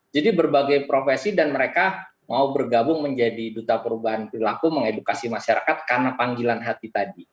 jadi berbagai profesi dan mereka mau bergabung menjadi duta perubahan perilaku mengedukasi masyarakat karena panggilan hati tadi